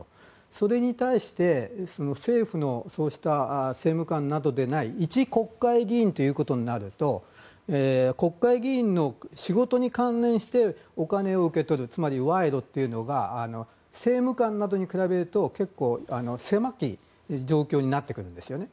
それに対して政府の政務官などでない一国会議員となると国会議員の仕事に関連してお金を受け取るつまり、賄賂というのが政務官などに比べると結構、狭い状況になってくるんですね。